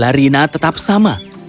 larina tetap sama